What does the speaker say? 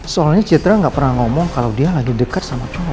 soalnya citra nggak pernah ngomong kalau dia lagi dekat sama kamu